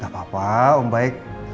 gak apa apa om baik